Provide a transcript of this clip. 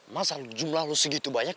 masa jumlah lo segitu banyak